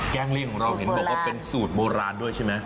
เลี่ยงของเราเห็นบอกว่าเป็นสูตรโบราณด้วยใช่ไหม